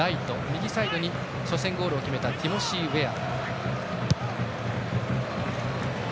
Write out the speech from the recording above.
右サイドに初戦でゴールを決めたティモシー・ウェア。